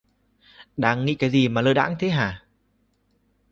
Đang nghĩ cái gì mà lơ đãng thế hả